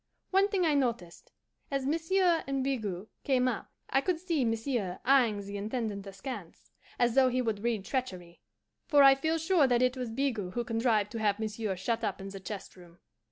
One thing I noticed: as monsieur and Bigot came up, I could see monsieur eying the Intendant askance, as though he would read treachery; for I feel sure that it was Bigot who contrived to have monsieur shut up in the chest room.